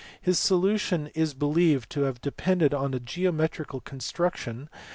His solution is believed to have depended on a geometrical construction (see below, p.